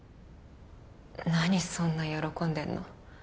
何そんな喜んでんの？